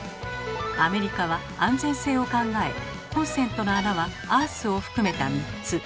アメリカは安全性を考えコンセントの穴はアースを含めた３つ。